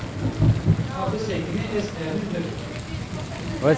Ka bisekine ez texmîn bikim.